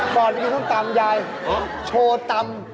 บอกให้กินซ่อมตำยายเผิร์ฐโชว์ตำ